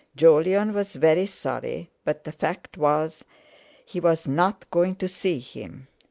Jolyon was very sorry, but the fact was he was not going to see him.